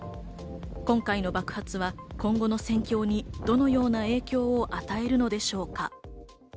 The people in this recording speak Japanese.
今回の爆発は今後の戦況にどのような影響を与えるのでしょうか？